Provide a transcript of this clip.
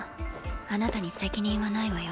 あなたに責任はないわよ。